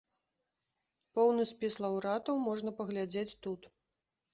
Поўны спіс лаўрэатаў можна паглядзець тут.